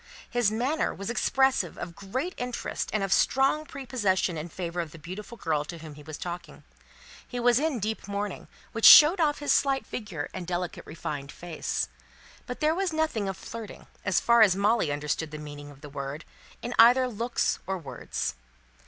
His manner was expressive of great interest and of strong prepossession in favour of the beautiful girl to whom he was talking. He was in deep mourning, which showed off his slight figure and delicate refined face. But there was nothing of flirting, as far as Molly understood the meaning of the word, in either looks or words.